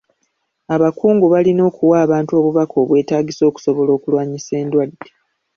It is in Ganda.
Abakungu balina okuwa abantu obubaka obwetaagisa okusobola okulwanyisa endwadde.